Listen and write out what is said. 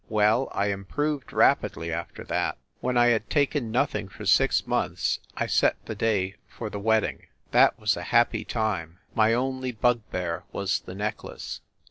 Well, I improved rapidly after that. When I had taken nothing for six months I set the day tor the wedding. That was a happy time. ... My only bugbear was the necklace.